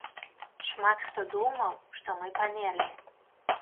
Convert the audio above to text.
Шмат хто думаў, што мы памерлі.